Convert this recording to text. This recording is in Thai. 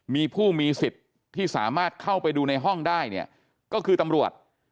มีผู้มีสิทธิ์ที่สามารถเข้าไปดูในห้องได้เนี่ยก็คือตำรวจ